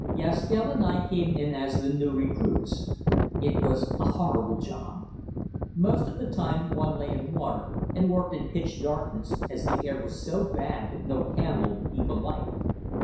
Gaskell and I came in as the new recruits. It was a horrible job. Most of the time one lay in water and worked in pitch darkness, as the air was so bad that no candle would keep alight.